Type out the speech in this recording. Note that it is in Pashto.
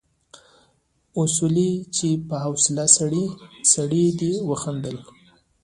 اصولي چې با حوصله سړی دی وخندل.